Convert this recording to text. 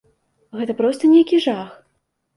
Гэта проста нейкі жах.